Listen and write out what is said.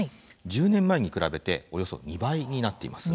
１０年前に比べておよそ２倍になっています。